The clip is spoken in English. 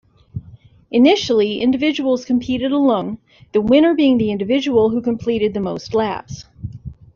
Initially, individuals competed alone, the winner being the individual who completed the most laps.